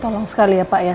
tolong sekali ya pak ya